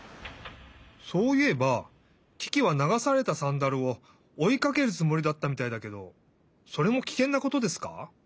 そういえばキキは流されたサンダルをおいかけるつもりだったみたいだけどそれもキケンなことですか？